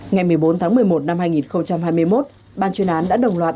ngày một mươi bốn tháng một mươi một năm hai nghìn hai mươi một ban chuyên án đã đồng loạt